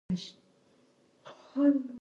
د غلام په قیمت کې هېڅ ډول کموالی ونه شو.